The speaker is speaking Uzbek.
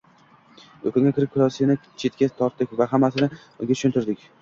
Do`konga kirib, Krosbini chetga tortdik va hammasini unga tushuntirdik